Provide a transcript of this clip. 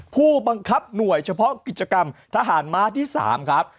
ผู้บังคับหน่วยเฉพาะกิจกรรมทหารม้าที่๓ครับ